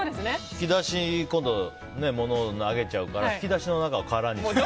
引き出し今度は物を投げちゃうから引き出しの中を空にする。